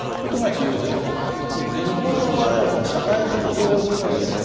で日本の場合はこの社会的領域のですね